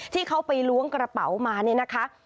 ที่เขาไปล้วงกระเป๋ามาเนี่ยนะคะ